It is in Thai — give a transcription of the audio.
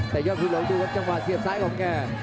แต่ยอดภูหลวงดูครับจังหวะเสียบซ้ายของแก